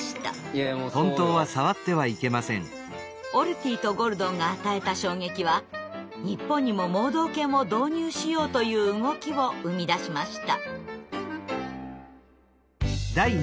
いやいやそうよ。オルティとゴルドンが与えた衝撃は日本にも盲導犬を導入しようという動きを生み出しました。